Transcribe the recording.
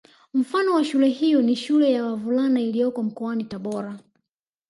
Mfano wa shule hiyo ni Shule ya wavulana iliyoko mkoani Tabora